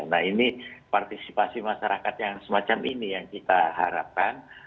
nah ini partisipasi masyarakat yang semacam ini yang kita harapkan